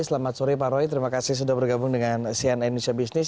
selamat sore pak roy terima kasih sudah bergabung dengan cn indonesia business